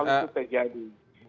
waktu itu sudah jadi